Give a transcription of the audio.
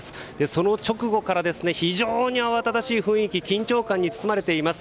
その直後から非常に慌ただしい雰囲気緊張感に包まれています。